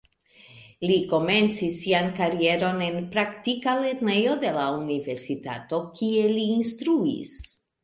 Li komencis sian karieron en praktika lernejo de la universitato, kie li instruis.